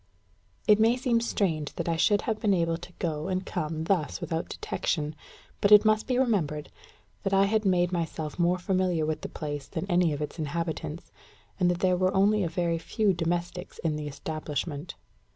It may seem strange that I should have been able to go and come thus without detection; but it must be remembered that I had made myself more familiar with the place than any of its inhabitants, and that there were only a very few domestics in the establishment.